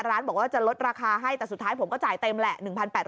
ร้านบอกว่าจะลดราคาให้แต่สุดท้ายผมก็จ่ายเต็มแหละ